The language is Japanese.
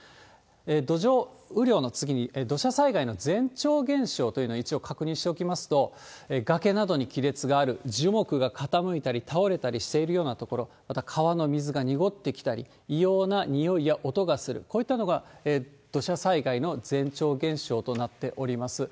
土壌雨量の次に、土砂災害の前兆現象というのを一応確認しておきますと、崖などに亀裂がある、樹木が傾いたり、倒れたりしているような所、また、川の水が濁ってきたり、異様な臭いや音がする、こういったようなのが土砂災害の前兆現象となっております。